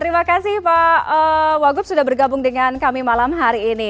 terima kasih pak wagub sudah bergabung dengan kami malam hari ini